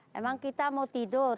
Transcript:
memang kita mau tidur